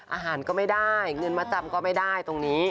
อาหารก็ไม่ได้เงินมาจำก็ไม่ได้ตรงนี้